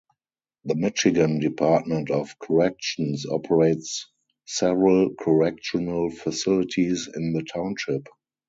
The Michigan Department of Corrections operates several correctional facilities in the township.